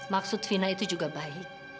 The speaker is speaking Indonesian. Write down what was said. maksud fina itu juga baik